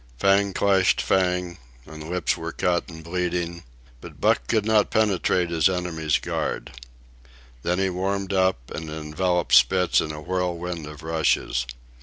Fang clashed fang, and lips were cut and bleeding, but Buck could not penetrate his enemy's guard. Then he warmed up and enveloped Spitz in a whirlwind of rushes.